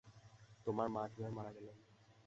তোমার মা কিভাবে মারা গেলেন?